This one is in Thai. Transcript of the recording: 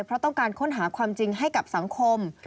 เพราะต้องการค้นหาความจริงให้กับสังคม